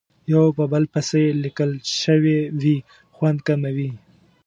یو په بل پسې لیکل شوې وي خوند کموي.